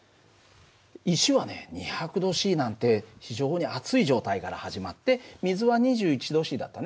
石はね２００℃なんて非常に熱い状態から始まって水は２１℃だったね。